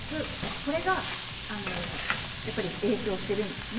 これが、影響しているんですね。